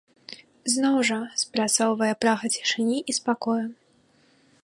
Зноў жа, спрацоўвае прага цішыні і спакою.